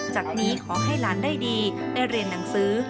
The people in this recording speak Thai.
จากนี้ขอให้หลานได้ดีได้เรียนหนังสือ